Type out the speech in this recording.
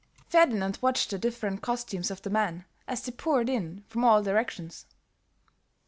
Ferdinand watched the different costumes of the men, as they poured in from all directions.